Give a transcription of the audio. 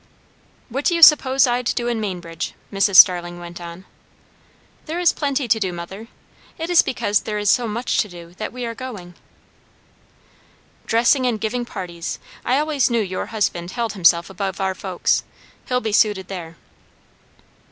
"What do you suppose I'd do in Mainbridge?" Mrs. Starling went on. "There is plenty to do, mother. It is because there is so much to do, that we are going." "Dressing and giving parties. I always knew your husband held himself above our folks. He'll be suited there."